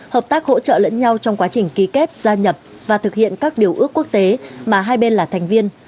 hợp tác hỗ trợ lẫn nhau trong quá trình ký kết gia nhập và thực hiện các điều ước quốc tế mà hai bên là thành viên